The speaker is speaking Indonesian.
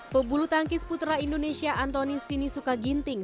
pebulu tangkis putra indonesia antoni sinisuka ginting